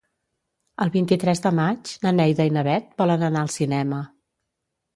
El vint-i-tres de maig na Neida i na Bet volen anar al cinema.